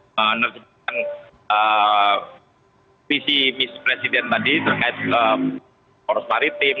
menerjemahkan visi miss president tadi terkait poros maritim